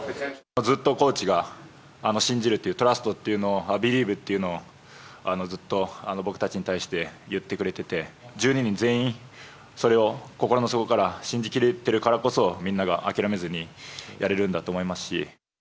ずっとコーチが、信じるっていう、トラストっていうのを、ビリーブっていうのを、ずっと僕たちに対して言ってくれてて、１２人全員、それを心の底から信じ切れてるからこそ、みんなが諦めずにやれるんだと思いますし。